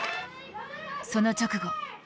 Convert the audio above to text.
その直後。